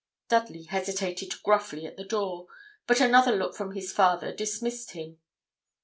Dudley hesitated gruffly at the door, but another look from his father dismissed him.